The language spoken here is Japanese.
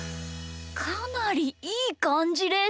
かなりいいかんじです！